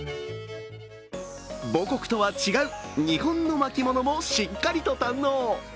母国とは違う日本の巻物もしっかりと堪能。